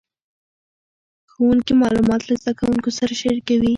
ښوونکي معلومات له زده کوونکو سره شریکوي.